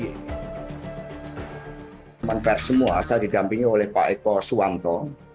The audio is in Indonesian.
teman pers semua saya didampingi oleh pak eko suwanto